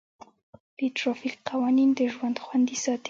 د ټرافیک قوانین د ژوند خوندي ساتي.